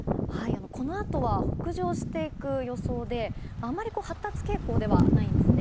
このあとは北上していく予想であまり発達傾向ではないんですね。